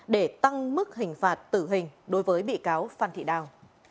để tăng mức hình phạt tử hình đối với bị cáo phan thị đào